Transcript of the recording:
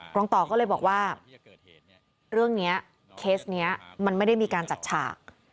รองต่อก็เลยบอกว่าเรื่องนี้เคสนี้มันไม่ได้มีการจัดฉาก